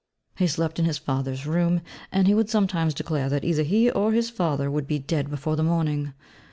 He slept in his father's room; and he would sometimes declare that either he or his father would be dead before the morning!